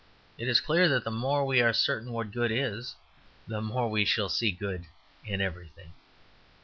It is clear that the more we are certain what good is, the more we shall see good in everything.